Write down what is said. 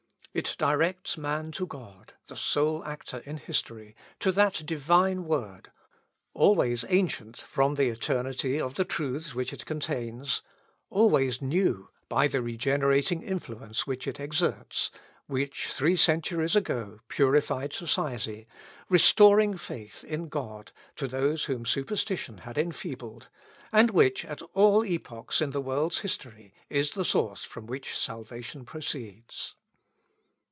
It directs man to God, the sole actor in history to that divine Word always ancient, from the eternity of the truths which it contains always new, by the regenerating influence which it exerts, which three centuries ago purified society, restoring faith in God to those whom superstition had enfeebled; and which, at all epochs in the world's history, is the source from which salvation proceeds.